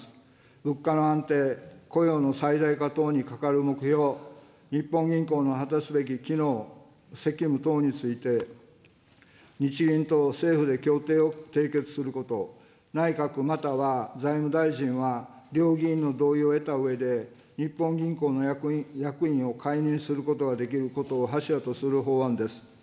物価の安定、雇用の最大化等にかかる目標、日本銀行の果たすべき機能、責務等について、日銀と政府で協定を締結すること、内閣または財務大臣は両議院の同意を得たうえで、日本銀行の役員を解任することができることを柱とする法案です。